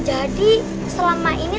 nah aku bakal lini